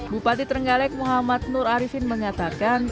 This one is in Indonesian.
bupati trenggalek muhammad nur arifin mengatakan